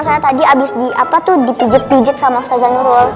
soalnya tadi abis di apa tuh dipijet pijet sama ustazah nurul